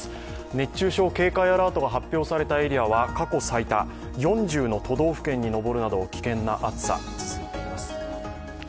熱中症警戒アラートが発表されたエリアは過去最多、４０の都道府県に上るなど危険な暑さが続いています。